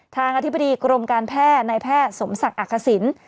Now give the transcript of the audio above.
ทางอธิบดีกรมการแพ่ในแพ่สมศักดิ์อักษิรภ์